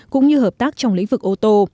cũng như hợp tác trong lĩnh vực ô tô